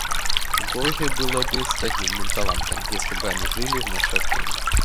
Горе было бы старинным талантам, если бы они жили в наше время.